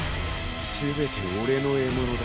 全て俺の獲物だ。